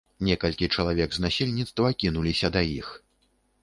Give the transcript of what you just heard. Некалькі чалавек з насельніцтва кінуліся да іх.